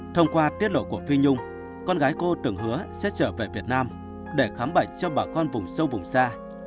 thông qua tiết lộ của phi nhung con gái cô từng hứa sẽ trở về việt nam để khám bệnh cho bà con vùng sâu vùng xa